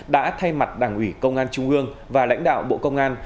đã thay mặt đảng ủy công an trung ương và lãnh đạo bộ công an